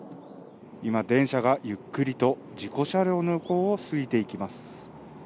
今、電車がゆっくりと事故車両の横を過ぎていきます。